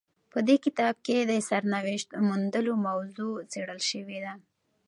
په دې کتاب کې د سرنوشت موندلو موضوع څیړل شوې ده.